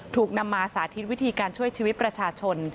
ถูกนำมาสาธิตวิธีการช่วยชีวิตประชาชน